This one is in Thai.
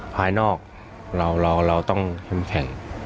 ภายนอกเราต้องเข้มแข็ง